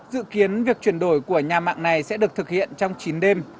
dự kiến việc chuyển đổi của nhà mạng này sẽ được thực hiện trong chín đêm